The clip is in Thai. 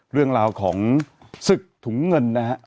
เรื่องราวของศึกถุงเงินนะฮะ